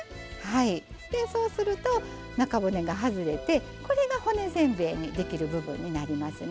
でそうすると中骨が外れてこれが骨せんべいにできる部分になりますね。